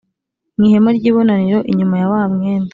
Mu ihema ry ibonaniro inyuma ya wa mwenda